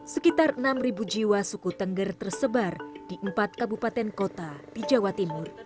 sekitar enam jiwa suku tengger tersebar di empat kabupaten kota di jawa timur